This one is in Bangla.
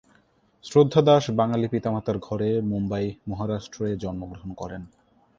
শ্রদ্ধা দাস বাঙ্গালি পিতা-মাতার ঘরে মুম্বাই, মহারাষ্ট্র-এ জন্মগ্রহণ করেন।